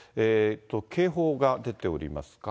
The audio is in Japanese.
警報が出ておりますか。